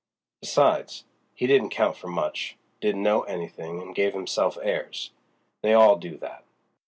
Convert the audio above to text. "Besides, he didn't count for much—didn't know anything and gave himself airs. They all do that.